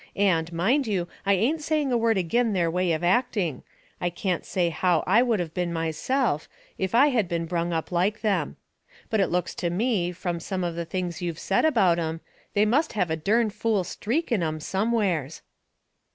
And, mind you, I ain't saying a word agin their way of acting. I can't say how I would of been myself, if I had been brung up like them. But it looks to me, from some of the things you've said about 'em, they must have a dern fool streak in 'em somewheres."